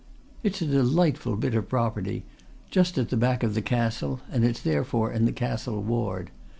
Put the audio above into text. It's a delightful bit of property, just at the back of the Castle, and it's therefore in the Castle Ward.